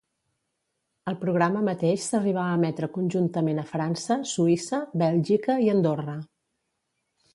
El programa mateix s'arribà a emetre conjuntament a França, Suïssa, Bèlgica i Andorra.